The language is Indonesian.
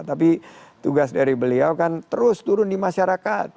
tapi tugas dari beliau kan terus turun di masyarakat